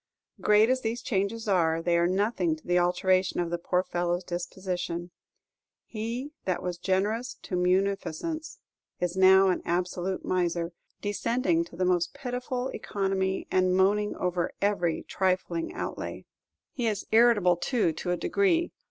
Great as these changes are, they are nothing to the alteration in the poor fellow's disposition. He that was generous to munificence is now an absolute miser, descending to the most pitiful economy and moaning over every trifling outlay. He is irritable, too, to a degree.